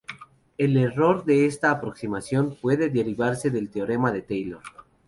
El error de esta aproximación puede derivarse del teorema de Taylor.